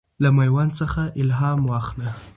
له میوند څخه الهام واخله.